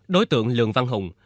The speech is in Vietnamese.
đối tượng lường văn hùng